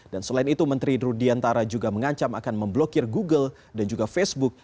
selain itu menteri rudiantara juga mengancam akan memblokir google dan juga facebook